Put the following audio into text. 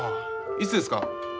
いつですか？